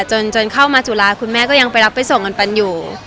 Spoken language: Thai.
จนเข้ามาจุฬาคุณแม่ก็ยังไปรับไปส่งเงินปันอยู่